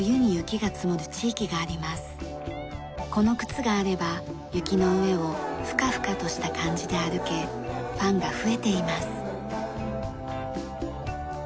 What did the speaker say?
この靴があれば雪の上をふかふかとした感じで歩けファンが増えています。